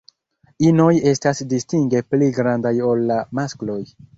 Inoj estas distinge pli grandaj ol la maskloj.